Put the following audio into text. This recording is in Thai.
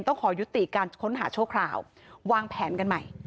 ต้องขอยุติการค้นหาโชคคราววางแผนกันใหม่